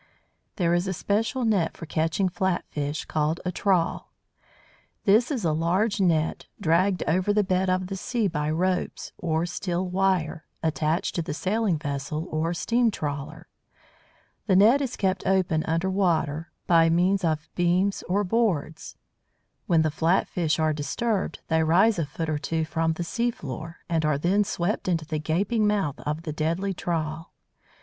There is a special net for catching flat fish, called a trawl. This is a large net, dragged over the bed of the sea by ropes, or steel wire, attached to the sailing vessel or steam trawler. The net is kept open under water by means of beams or boards. When the flat fish are disturbed, they rise a foot or two from the sea floor, and are then swept into the gaping mouth of the deadly trawl.